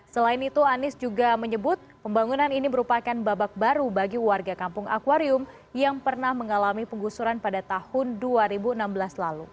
selain itu anies juga menyebut pembangunan ini merupakan babak baru bagi warga kampung akwarium yang pernah mengalami penggusuran pada tahun dua ribu enam belas lalu